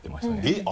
えっ？